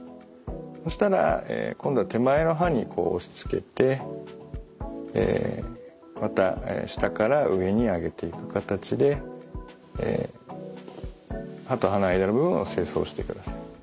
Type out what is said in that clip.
そしたら今度は手前の歯にこう押しつけてまた下から上に上げていく形で歯と歯の間の部分を清掃してください。